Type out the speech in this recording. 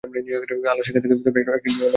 আল্লাহ সেখান থেকে একটি ঝর্ণাধারা প্রবাহিত করেন।